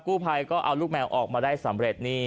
กู้ภัยก็เอาลูกแมวออกมาได้สำเร็จนี่